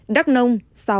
đắc nông sáu